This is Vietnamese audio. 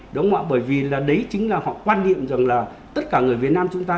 đúng không ạ bởi vì là đấy chính là họ quan niệm rằng là tất cả người việt nam chúng ta